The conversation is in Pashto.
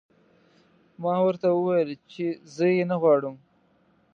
ما ورته وویل چې زه یې نه غواړم